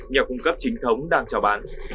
nhà cung cấp chính thống đang trào bán